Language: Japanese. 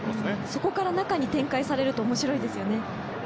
そこから中に展開されると面白いですよね。